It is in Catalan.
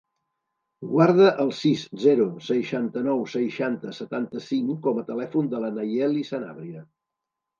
Guarda el sis, zero, seixanta-nou, seixanta, setanta-cinc com a telèfon de la Nayeli Sanabria.